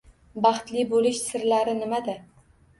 Baxtli bo‘lish sirlari nimada?